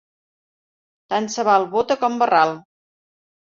Tant se val bota com barral.